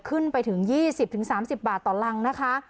ขึ้นไปถึง๒๐๓๐บาทต่อรังนะคะ